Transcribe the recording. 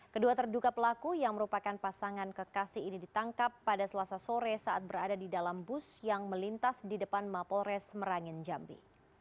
kedua terduga pelaku yang merupakan pasangan kekasih ini ditangkap pada selasa sore saat berada di dalam bus yang melintas di depan mapolres merangin jambi